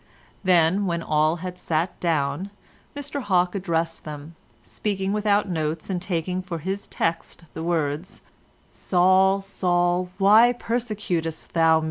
Then, when all had sat down, Mr Hawke addressed them, speaking without notes and taking for his text the words, "Saul, Saul, why persecutest thou me?"